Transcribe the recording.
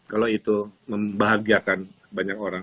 kalau itu membahagiakan banyak orang